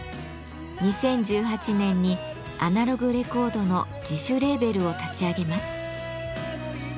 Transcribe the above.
２０１８年にアナログレコードの自主レーベルを立ち上げます。